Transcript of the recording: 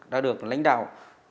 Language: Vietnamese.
đã được lãnh đạo